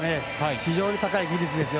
非常に高い技術ですよ。